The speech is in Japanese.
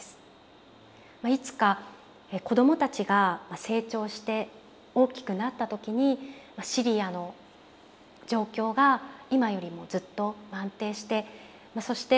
いつか子供たちが成長して大きくなった時にシリアの状況が今よりもずっと安定してそして